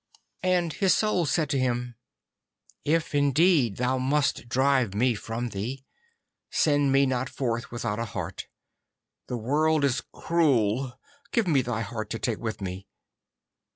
And his Soul said to him, 'If indeed thou must drive me from thee, send me not forth without a heart. The world is cruel, give me thy heart to take with me.